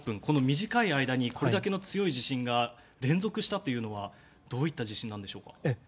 この短い間にこれだけの強い地震が連続したというのはどういった地震なんでしょうか。